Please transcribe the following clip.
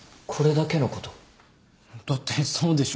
だってそうでしょ。